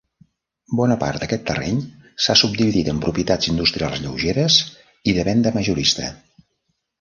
Bona part d'aquest terreny s'ha subdividit en propietats industrials lleugeres i de venda majorista.